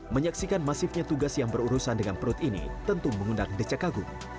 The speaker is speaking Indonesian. menyaksikan masifnya tugas yang berurusan dengan perut ini tentu mengundang decak kagum